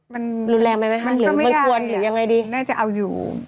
มันน่าจะเอาอยู่